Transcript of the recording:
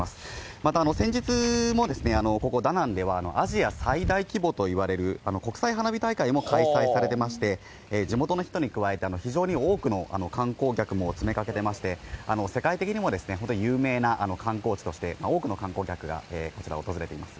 また、先日もここダナンでは、アジア最大規模といわれる国際花火大会も開催されてまして、地元の人に加えて、非常に多くの観光客もつめかけてまして、世界的にも本当に有名な観光地として、多くの観光客がこちらを訪れています。